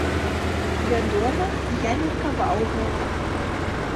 Вядома, я меркаваў гэта.